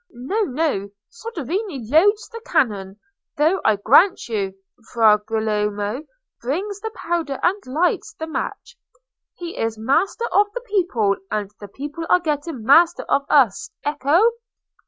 No, no; Soderini loads the cannon; though, I grant you, Fra Girolamo brings the powder and lights the match. He is master of the people, and the people are getting master of us. Ecco!"